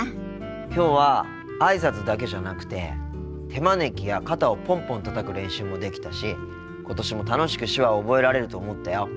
きょうはあいさつだけじゃなくて手招きや肩をポンポンたたく練習もできたし今年も楽しく手話を覚えられると思ったよ。